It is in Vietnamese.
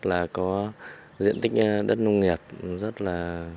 là có diện tích đất nông nghiệp rất là